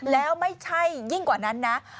แล้วไม่ใช่ยิ่งกว่านั้นนะ